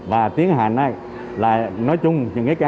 và tiến hành là nói chung những cái ca